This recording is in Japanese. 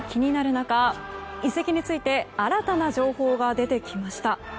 中移籍について新たな情報が出てきました。